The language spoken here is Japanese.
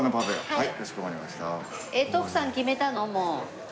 はい。